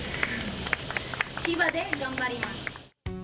千葉で頑張ります。